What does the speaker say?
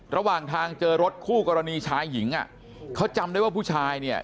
ระหว่างทางเจอรถคู่กรณีชายหญิงอ่ะเขาจำได้ว่าผู้ชายเนี่ย